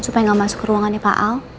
supaya nggak masuk ke ruangannya pak al